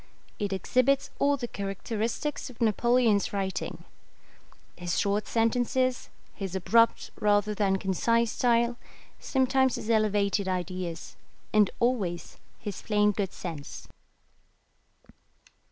It exhibits all the characteristics of Napoleon's writing: his short sentences, his abrupt rather than concise style, sometimes his elevated ideas, and always his plain good sense.